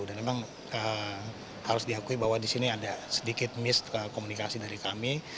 dan memang harus diakui bahwa di sini ada sedikit miss komunikasi dari kami